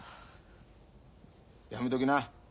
やめときな。